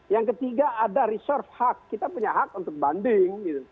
yang ketiga ada reserve hak kita punya hak untuk banding